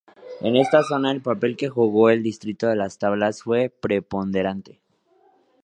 En esta zona, el papel que jugó el distrito de Las Tablas fue preponderante.